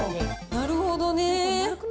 なるほどねー。